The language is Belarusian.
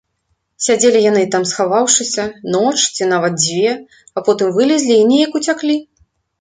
Сядзелі яны там, схаваўшыся, ноч ці нават дзве, а потым вылезлі і неяк уцяклі.